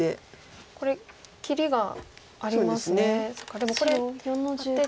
でもこれアテていくと。